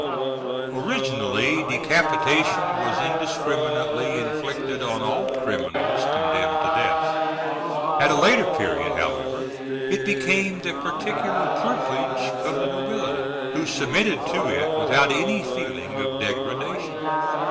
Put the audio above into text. ] Originally, decapitation was indiscriminately inflicted on all criminals condemned to death; at a later period, however, it became the particular privilege of the nobility, who submitted to it without any feeling of degradation.